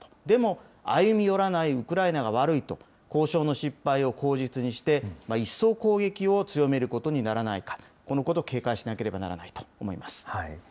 でも歩み寄らないウクライナが悪いと、交渉の失敗を口実にして、一層攻撃を強めることにならないか、このことを警戒しなければならないと思います。